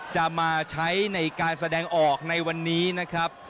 จะมาใช้ในการแสดงออกในวันนี้นะครับ